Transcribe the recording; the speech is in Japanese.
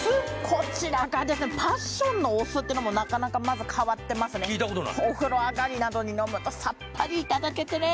こちらがですねパッションのお酢ってのもなかなかまず変わってますね聞いたことないお風呂上がりなどに飲むとさっぱりいただけてね・